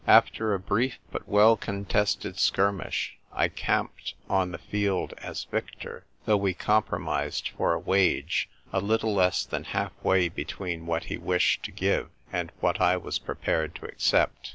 After a brief but well contested skirmish, I camped on the field as victor, though we compromised for a wage a little less than half way between what he wished to give and what I was pre pared to accept.